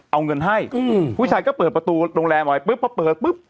เอาเงินให้อืมผู้ชายก็เปิดประตูโรงแรมออกไปปุ๊บพอเปิดปุ๊บ